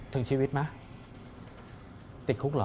ถึงชีวิตไหมติดคุกเหรอ